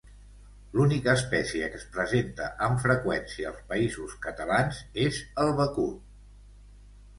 L'única espècie que es presenta amb freqüència als Països Catalans és el becut.